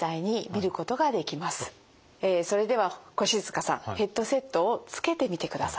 それでは越塚さんヘッドセットをつけてみてください。